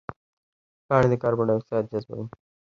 پاڼې د کاربن ډای اکساید جذبوي